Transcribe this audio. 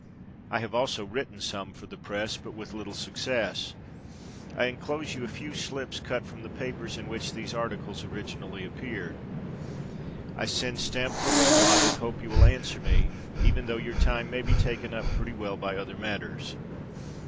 I have also written some for the press, but with little success. I enclose you a few slips cut from the papers in which these articles originally appeared. I send stamp for reply and hope you will answer me, even though your time may be taken up pretty well by other matters.